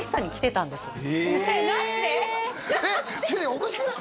おかしくない？